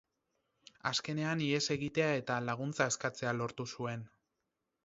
Azkenean ihes egitea eta laguntza eskatzea lortu zuen.